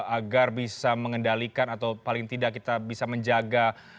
agar bisa mengendalikan atau paling tidak kita bisa menjaga